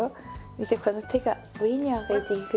見てこの手が上に上げていくと。